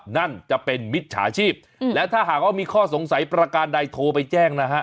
นั่นจะเป็นมิจฉาชีพและถ้าหากว่ามีข้อสงสัยประการใดโทรไปแจ้งนะฮะ